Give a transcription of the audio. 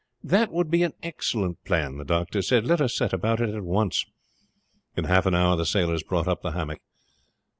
"That would be an excellent plan," the doctor said. "Let us set about it at once." In half an hour the sailors brought up the hammock.